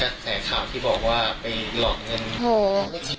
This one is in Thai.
ใส่ข่าวที่บอกว่าไปหลอกเงิน